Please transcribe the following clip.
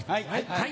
はい。